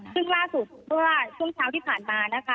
ซึ่งสุดช่วงเช้าที่ผ่านมานะคะ